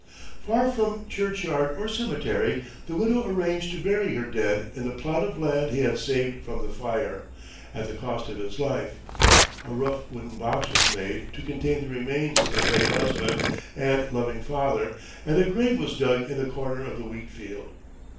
Far from churchyard or cemetery, the widow arranged to bury her dead in the plot of land he had saved from the fire, at the cost of his life. A rough wooden box was made to contain the remains of the brave husband and loving father, and a grave was dug in a corner of the wheatfield.